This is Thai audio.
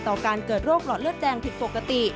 การเกิดโรคหลอดเลือดแดงผิดปกติ